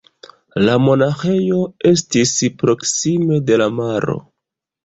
La monaĥejo estis proksime de la maro.